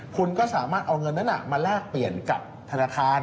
คุณก็สามารถเอาเงินนั้นมาแลกเปลี่ยนกับธนาคาร